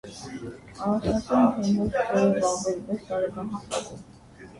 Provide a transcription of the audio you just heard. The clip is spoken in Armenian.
Անաստասիան թենիով սկսել է զբաղվել վեց տարեկան հասակում։